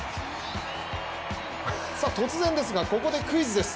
突然ですが、ここでクイズです。